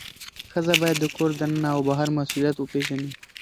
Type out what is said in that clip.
ښځه باید د کور دننه او بهر مسئولیت وپیژني.